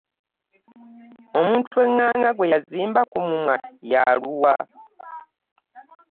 Omuntu enganga gwe yazimba ku mumwa y’aluwa?